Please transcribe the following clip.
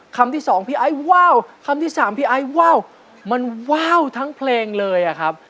คำที่สองพี่ไอ้ว้าวคำที่สามพี่ไอ้ว้าวมันว้าวทั้งเพลงเลยอะครับ